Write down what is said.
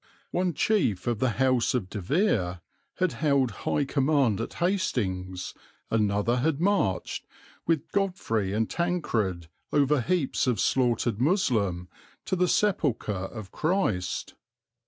One chief of the house of De Vere had held high command at Hastings; another had marched, with Godfrey and Tancred, over heaps of slaughtered Moslem, to the sepulchre of Christ.